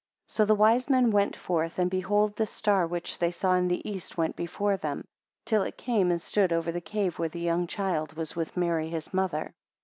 9 So the wise men went forth, and behold, the star which they saw in the east went before them, till it came and stood over the cave where the young child was with Mary his mother.